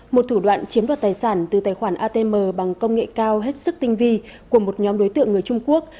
một thủ đoạn chiếm đoạt tài sản từ tài khoản atm bằng công nghệ cao hết sức tinh vi của một nhóm đối tượng người trung quốc